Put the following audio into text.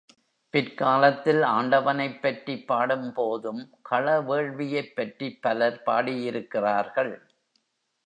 பிற்காலத்தில் ஆண்டவனைப் பற்றிப் பாடும்போதும் களவேள்வியைப் பற்றிப் பலர் பாடியிருக்கிறார்கள்.